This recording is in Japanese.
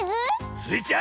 スイちゃん